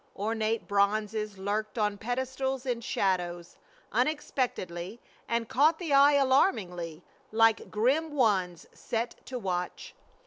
Ornate bronzes lurked on pedestals in shadows, unexpectedly, and caught the eye alarmingly, like grim ones set to watch.